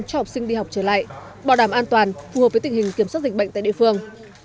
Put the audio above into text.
cho học sinh đi học trở lại bảo đảm an toàn phù hợp với tình hình kiểm soát dịch bệnh tại địa phương